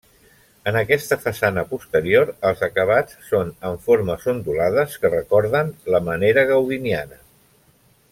En aquesta façana posterior els acabats són en formes ondulades que recorden la manera gaudiniana.